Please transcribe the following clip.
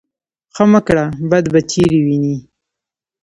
ـ ښه مه کړه بد به چېرې وينې.